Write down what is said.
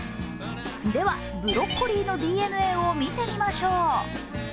では、ブロッコリーのＤＮＡを見てみましょう。